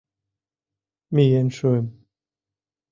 Миен шуым.